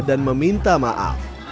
dan meminta maaf